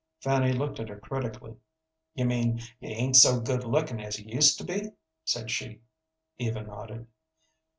Fanny looked at her critically. "You mean you ain't so good lookin' as you used to be?" said she. Eva nodded.